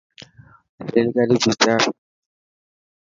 ريل گاڏي ڀيچاڙ.